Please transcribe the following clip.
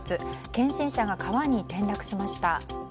検診車が川に転落しました。